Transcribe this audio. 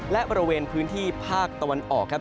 และบริเวณพื้นที่ภาคตะวันออกครับ